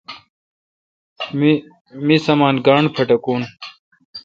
می سامان گاݨڈ پٹکون۔